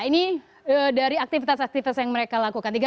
ini dari aktivitas aktivitas yang mereka lakukan